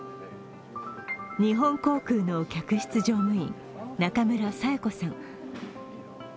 日本航空の客室乗務員、中村咲瑛子さん。